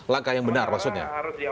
langkah yang benar maksudnya